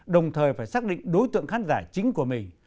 đồng thời phải xác định đối tượng khán giả chính của mình